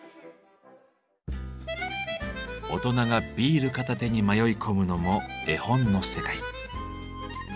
大人がビール片手に迷い込むのも絵本の世界。